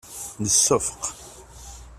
Nseffeq.